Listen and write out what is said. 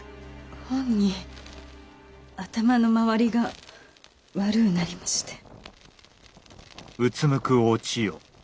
ほんに頭の回りが悪うなりまして。